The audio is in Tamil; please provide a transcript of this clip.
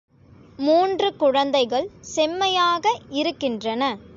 மூன்று குழந்தைகள் செம்மையாக இருக்கின்றன.